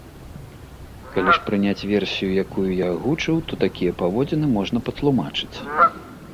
Калі ж прыняць версію, якую я агучыў, то такія паводзіны можна патлумачыць.